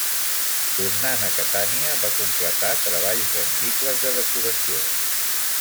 Tornant a Catània va completar treballs rendibles de decoració.